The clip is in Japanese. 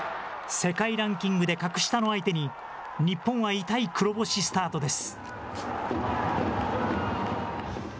世界ランキングで格下の相手に、日本は痛い黒星スタートです。